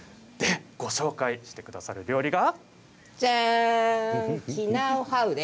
ご紹介してくださる料理が。